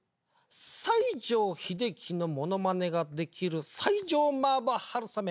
「西城秀樹のモノマネができる西城麻婆春雨」？